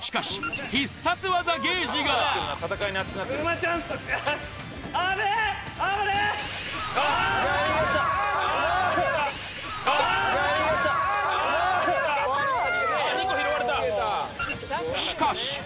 しかし。